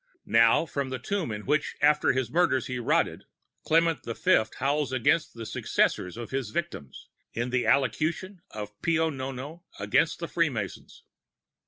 Now, from the tomb in which after his murders he rotted, Clement the Fifth howls against the successors of his victims, in the Allocution of Pio Nono against the Free Masons.